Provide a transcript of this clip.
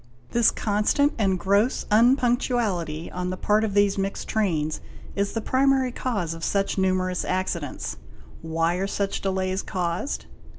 This constant and gross unpunctuality on the part of these mixed trains is the primary cause of such numerous accidents. Why are such delays caused?